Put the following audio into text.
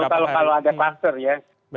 kalau ada kluster ya